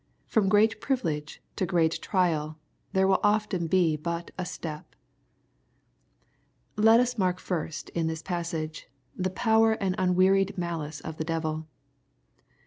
From great privilege to great trial there will often be but a step. Let us first mark in this passage, the power and un^ wearied malice of the devil.